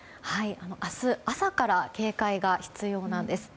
明日朝から警戒が必要なんです。